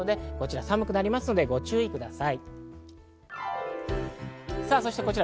寒くなりますのでご注意ください。